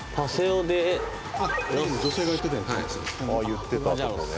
「言ってたとこね。